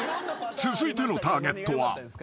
［続いてのターゲットは］